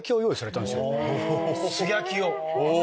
素焼きを。